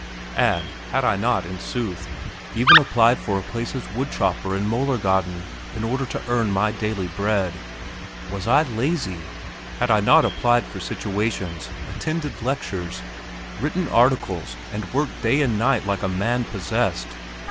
and had I not, in sooth, even applied for a place as wood chopper in Möllergaden in order to earn my daily bread? Was I lazy? Had I not applied for situations, attended lectures, written articles, and worked day and night like a man possessed?